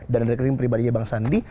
dan dari rekening pribadinya bang sandi